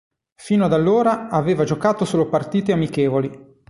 Fino ad allora aveva giocato solo partite amichevoli.